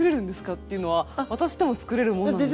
っていうのは私でも作れる物なんですか？